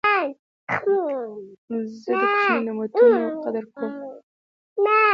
زه د کوچنیو نعمتو قدر کوم.